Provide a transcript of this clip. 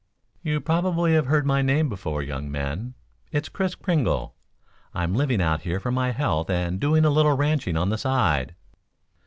"You probably have heard my name before, young men. It is Kris Kringle; I'm living out here for my health and doing a little ranching on the side."